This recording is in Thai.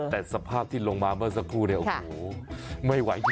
แต่สภาพที่ลงมาเมื่อสักครู่เนี่ยโอ้โหไม่ไหวจริง